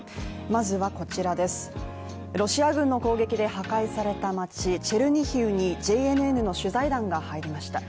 まずはこちらです、ロシア軍の攻撃で破壊された街、チェルニヒウにＪＮＮの取材団が入りました。